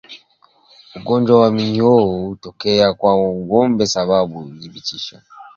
Ugonjwa wa minyoo hutokea kwa ngombe sababu ya udhibiti hafifu wa minyoo